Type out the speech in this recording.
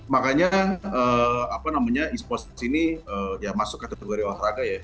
makanya esports ini ya masuk kategori olahraga ya